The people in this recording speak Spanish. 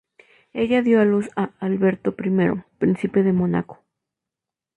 Ella dio a luz a Alberto I, Príncipe de Mónaco.